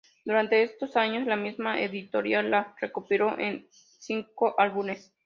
Durante esos años, la misma editorial la recopiló en cinco álbumes.